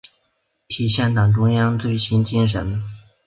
体现党中央最新精神